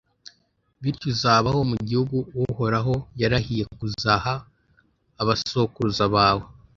bityo uzabaho, mu gihugu uhoraho yarahiye kuzaha abasokuruza baw